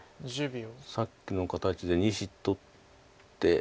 さっきの形で２子取って。